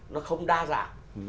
nó không đa dạng